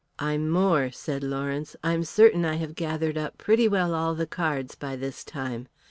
"I'm more," said Lawrence. "I'm certain I have gathered up pretty well all the cards by this time.